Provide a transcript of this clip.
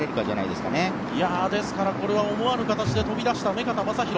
ですからこれは思わぬ形で飛び出した目片将大。